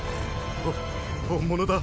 ほ本物だ。